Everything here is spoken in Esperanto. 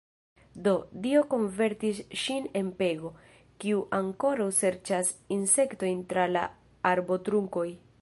Do, Dio konvertis ŝin en pego, kiu ankoraŭ serĉas insektojn tra la arbotrunkoj.